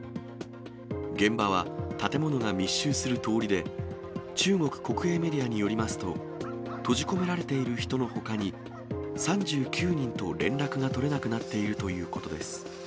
現場は建物が密集する通りで、中国国営メディアによりますと、閉じ込められている人のほかに、３９人と連絡が取れなくなっているということです。